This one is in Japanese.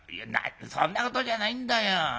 そんなことじゃないんだよ。